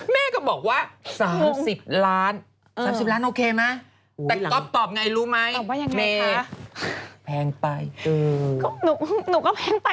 แม่ก็บอกว่า๓๐ล้าน